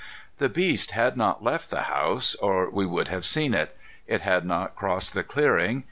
The beast had not left the house, or we would have seen it. It had not crossed the clearing.